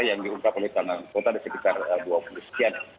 yang diungkap oleh tanah kota ada sekitar dua puluh sekian